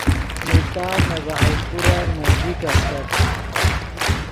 ملتان نے بہاولپورن نزدیک استت